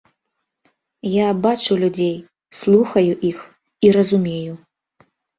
Я бачу людзей, слухаю іх і разумею.